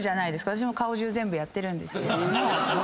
私も顔中全部やってるんですけども。